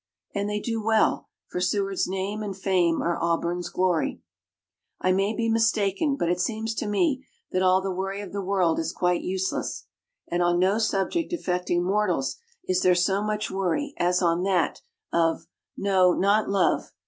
And they do well, for Seward's name and fame are Auburn's glory. I may be mistaken, but it seems to me that all the worry of the world is quite useless. And on no subject affecting mortals is there so much worry as on that of (no, not love!)